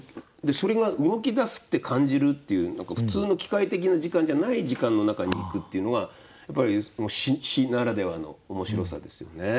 でそれが動き出すって感じるっていう何か普通の機械的な時間じゃない時間の中に行くっていうのがやっぱり詩ならではの面白さですよね。